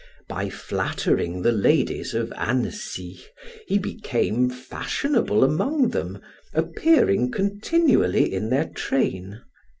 By flattering the ladies of Annecy, he became fashionable among them, appearing continually in their train.